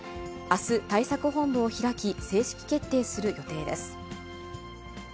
あす、対策本部を開き、正式決定する予定です。